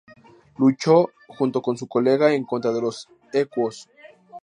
Luchó, junto con su colega, en contra de los ecuos.